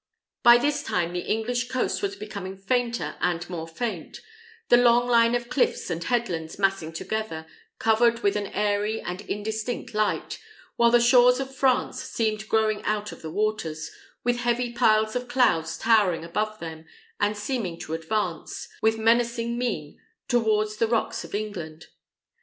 By this time the English coast was becoming fainter and more faint; the long line of cliffs and headlands massing together, covered with an airy and indistinct light, while the shores of France seemed growing out of the waters, with heavy piles of clouds towering above them, and seeming to advance, with menacing mien, towards the rocks of England.